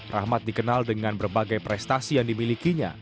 rahmat dikenal dengan berbagai prestasi yang dimilikinya